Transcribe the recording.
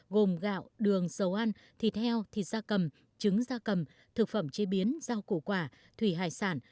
gồm gạo đường dầu ăn thịt heo thịt da cầm trứng da cầm thực phẩm chế biến rau củ quả thủy hải sản